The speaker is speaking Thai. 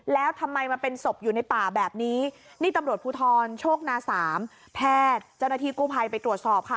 แล้วทำไมมาเป็นศพอยู่ในป่าแบบนี้นี่ตำรวจภูทรโชคนาสามแพทย์เจ้าหน้าที่กู้ภัยไปตรวจสอบค่ะ